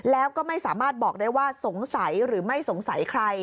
แล้วก็ไม่สามารถบอกได้ว่าสงสัยหรือไม่สงสัยใคร